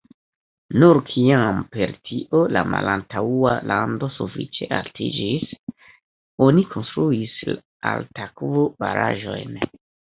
Nur kiam per tio la malantaŭa lando sufiĉe altiĝis, oni konstruis altakvo-baraĵojn.